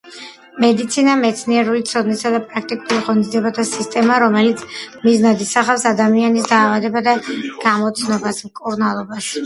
მედიცინა მეცნიერული ცოდნისა და პრაქტიკულ ღონისძიებათა სისტემა, რომელიც მიზნად ისახავს ადამიანის დაავადებათა გამოცნობას, მკურნალობას.